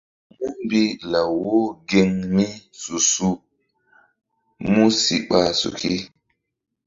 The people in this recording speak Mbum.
Múmbi law wo geŋ mi su-su músi ɓa suki.